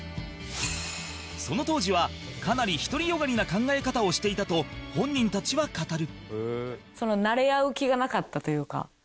その当時はかなり独り善がりな考え方をしていたと本人たちは語る